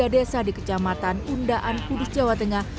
tiga desa di kecamatan undaan kudus jawa tengah